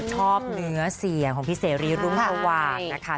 ชอบเนื้อเสียงของพี่เสรีรุ่งสว่างนะคะ